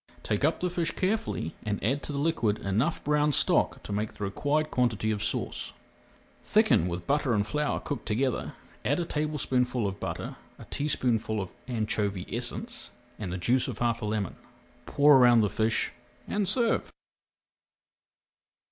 Take up the fish carefully and add to the liquid enough brown stock to make the required quantity of sauce. Thicken with butter and flour cooked together, add a tablespoonful of butter, a teaspoonful of anchovy essence, and the juice of half a lemon. Pour around the fish and serve.